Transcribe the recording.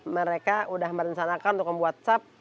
mereka sudah merencanakan untuk membuat sap